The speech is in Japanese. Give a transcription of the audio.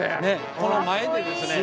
この前でですね